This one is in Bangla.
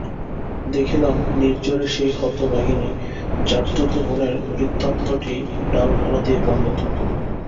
দেখিলাম, নির্ঝরের সেই হতভাগিনী জাঠতুতো বোনের বৃত্তান্তটিই ডালপালা দিয়া বর্ণিত।